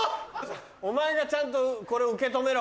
お前がちゃんとこれ受け止めろ。